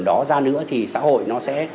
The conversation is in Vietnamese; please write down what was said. đó ra nữa thì xã hội nó sẽ